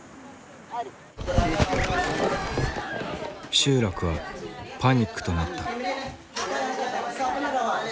集落はパニックとなった。